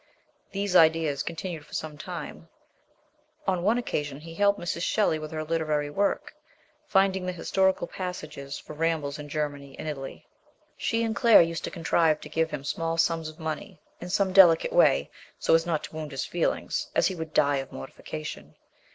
These ideas continued for some time; on one occasion he helped Mrs. Shelley with her littrary work, finding the historical passages for Rambles in Germany and Italy. She and Claire used to contrive to give him small sums of money, in some delicate way, so as not to wound his feelings, as he would die of mortification.